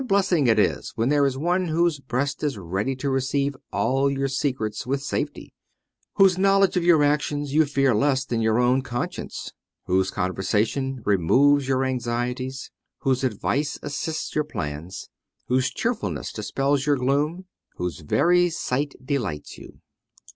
blessing it is when there is one whose breast is ready to receive all your secrets with safety, whose knowledge of your actions you fear less than your own conscience, whose conversation removes your anxieties, whose advice assists your plans, whose cheerfulness dispels your gloom, whose very sight delights you